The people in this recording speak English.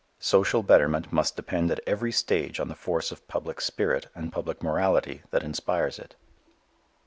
Social betterment must depend at every stage on the force of public spirit and public morality that inspires it.